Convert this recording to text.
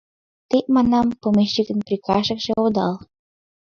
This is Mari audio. Те, манам, помещикын прикашыкше одал.